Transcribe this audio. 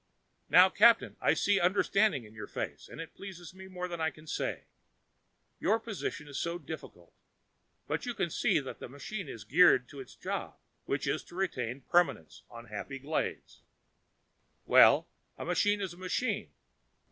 Now, Captain, I see understanding in your face; that pleases me more than I can say. My position is so difficult! But you can see, when a machine is geared to its job which is to retain permanence on HAPPY GLADES well, a machine is a machine.